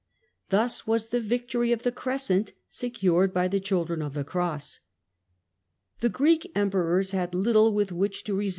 Thus was the " victory of the Crescent secured by the children of the Cross ". Causes of The Greek Emperors had little with which to resist weakness